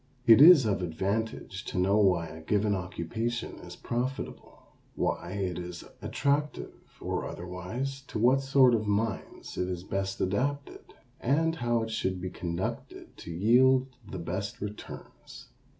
It is of advantage to know why a given occupation is profitable, why it is attractive or otherwise, to what sort of minds it is best adapted, and how it should be conducted to yield the best returns.